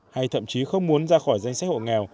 hay thậm chí không muốn ra khỏi danh sách hộ nghèo